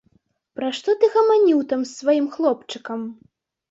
Пра што ты гаманіў там з сваім хлопчыкам?